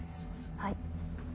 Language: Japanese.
はい。